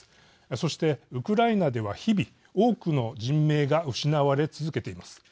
そして、ウクライナでは日々、多くの人命が失われ続けています。